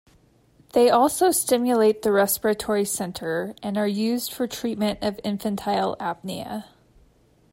They also stimulate the respiratory centre, and are used for treatment of infantile apnea.